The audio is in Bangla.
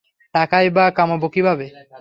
টাকাই বা কামাবো কীভাবে?